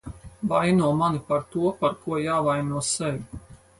Vaino mani par to, par ko jāvaino sevi.